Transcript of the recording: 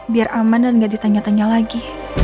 biar aman dan nggak ditanya tanya lagi